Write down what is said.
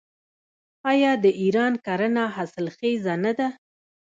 آیا د ایران کرنه حاصلخیزه نه ده؟